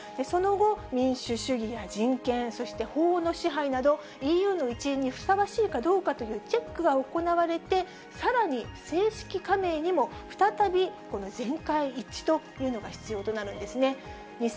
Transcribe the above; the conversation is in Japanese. その後、民主主義や人権、そして法の支配など、ＥＵの一員にふさわしいかどうかというチェックが行われて、さらに、正式加盟にも再び全会一致というのが必要となるんですね。